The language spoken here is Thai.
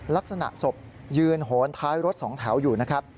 ลักษณะศพยืนโหนท้ายรถสองแถวอยู่นะครับ